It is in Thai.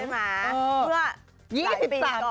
เมื่อหลายปีก่อน